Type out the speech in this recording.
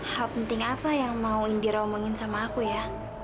hal penting apa yang mau diromongin sama aku ya